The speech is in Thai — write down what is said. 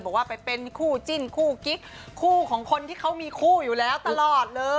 บอกว่าไปเป็นคู่จิ้นคู่กิ๊กคู่ของคนที่เขามีคู่อยู่แล้วตลอดเลย